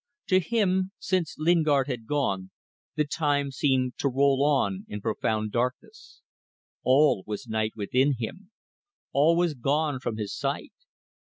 To him, since Lingard had gone, the time seemed to roll on in profound darkness. All was night within him. All was gone from his sight.